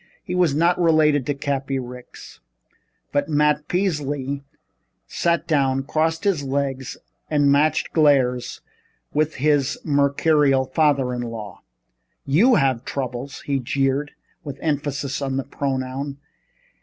He was not related to Cappy Ricks. But Matt Peasley sat down, crossed his legs and matched glares with his mercurial father in law. "You have troubles!" he jeered, with emphasis on the pronoun.